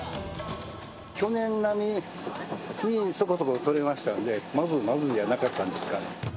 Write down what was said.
去年並みに、そこそこ取れましたので、まずまずじゃなかったんですかね。